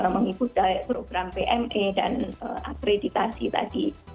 mengikuti program pme dan akreditasi tadi